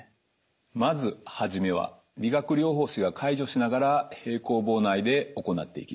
まず初めは理学療法士が介助しながら平行棒内で行っていきます。